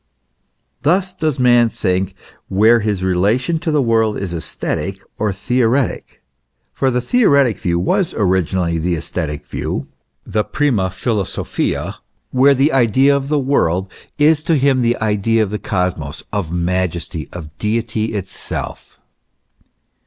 Thus does man think where his relation to the world is assthetic or theoretic, (for the 112 THE ESSENCE OF CHKISTIANITY. theoretic view was originally the aesthetic view, the prima phi losophia,) where the idea of the world is to him the idea of the Cosmos, of majesty, of deity itself.